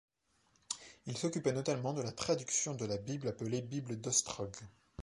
Il s'occupa notamment de la traduction de la Bible appelée Bible d'Ostrog.